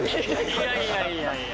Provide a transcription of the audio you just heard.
いやいやいやいや。